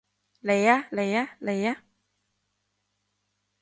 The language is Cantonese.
嚟吖嚟吖嚟吖